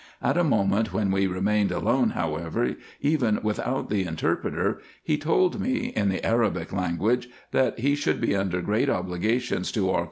At a moment when we remained alone however, even without the interpreter, he told me, in the Arabic language, that he should be under great obligations to our IN EGYPT, NUBIA, &c.